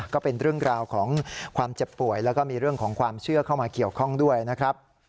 ก็เป็นเรื่องราวของความเจ็บป่วยแล้วก็มีเรื่องของความเชื่อเข้ามาเกี่ยวข้องด้วยนะครับ